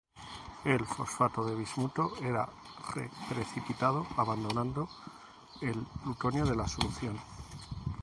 El fosfato de bismuto era re-precipitado abandonando el plutonio de la solución.